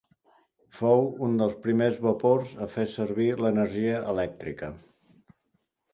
Fou un dels primers vapors a fer servir l'energia elèctrica.